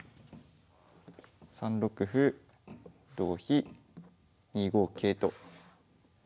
３六歩同飛２五桂と。